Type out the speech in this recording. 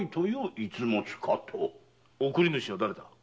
贈り主はだれだ？